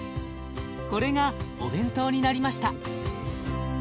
これがお弁当になりました。